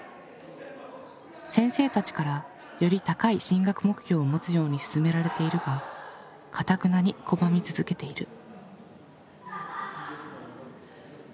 先生たちからより高い進学目標を持つように勧められているがかたくなに拒み続けている。